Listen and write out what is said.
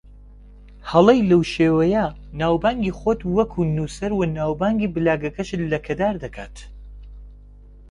هەڵەی لەو شێوەیە ناوبانگی خۆت وەکو نووسەر و ناوبانگی بڵاگەکەشت لەکەدار دەکات